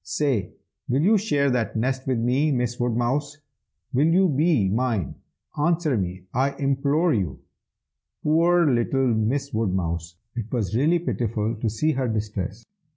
Say, will you share that nest with me? Miss Woodmouse, will you be mine? answer me, I implore you!' [Illustration: MISS WOODMOUSE.] "Poor little Miss Woodmouse! it was really pitiful to see her distress.